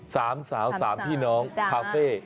สามสาวสามพี่น้องคาเฟ่